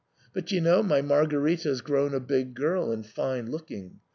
But, d ye know, my Margarita's grown a big girl and fine looking?